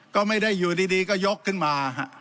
ก็ไม่ได้อยู่ดีก็ยกขึ้นมา